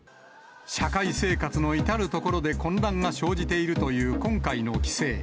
社会生活の至る所で混乱が生じているという今回の規制。